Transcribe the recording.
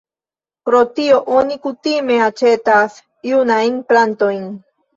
Pro tio oni kutime aĉetas junajn plantojn.